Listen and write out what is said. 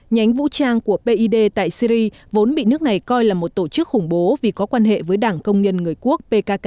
nhánh vũ trang của pid tại syri vốn bị nước này coi là một tổ chức khủng bố vì có quan hệ với đảng công nhân người quốc pkk